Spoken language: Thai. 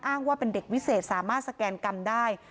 อ้างว่าเป็นเด็กวิเศษสามารถสแกนกรรมได้